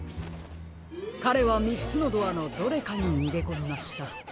かれはみっつのドアのどれかににげこみました。